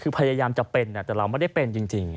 คือพยายามจะเป็นแต่เราไม่ได้เป็นจริง